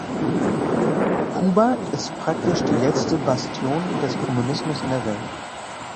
Kuba ist praktisch die letzte Bastion des Kommunismus in der Welt.